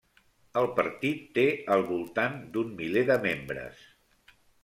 El partit té al voltant d'un miler de membres.